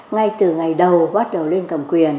ngay từ ngày đầu bắt đầu lên cầm quyền